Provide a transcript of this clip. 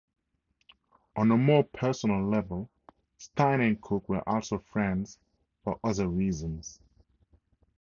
On a more personal level, Stein and Cook were also friends for other reasons.